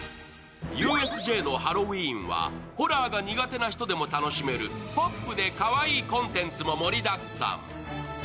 ＵＳＪのハロウィーンはホラーが苦手な人でも楽しめるポップでかわいいコンテンツも盛りだくさん。